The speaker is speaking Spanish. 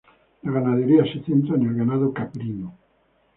La ganadería se centra en el ganado caprino.